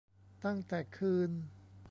ตั้งแต่คืน